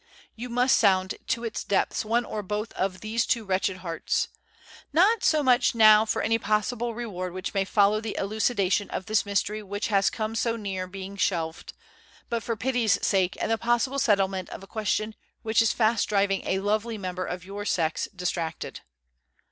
You must sound to its depths one or both of these two wretched hearts. Not so much now for any possible reward which may follow the elucidation of this mystery which has come so near being shelved, but for pity's sake and the possible settlement of a question which is fast driving a lovely member of your sex distracted.